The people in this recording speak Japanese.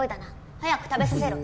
早く食べさせろ。